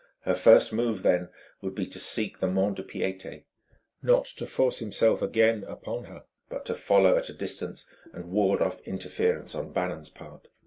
Her first move, then, would be to seek the mont de piété not to force himself again upon her, but to follow at a distance and ward off interference on Bannon's part.